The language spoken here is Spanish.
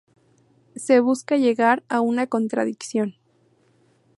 Se busca llegar a una contradicción.